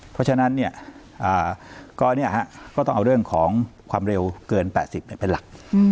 เพราะฉะนั้นก็ต้องเอาเรื่องของความเร็วเกิน๘๐เป็นหลัก